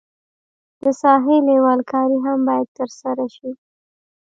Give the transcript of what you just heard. د ساحې لیول کاري هم باید ترسره شي